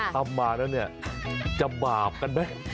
ทำมาแล้วเนี่ยจะบาปกันไหม